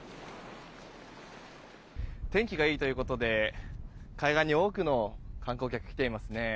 天気がいいということで海岸に多くの観光客が来ていますね。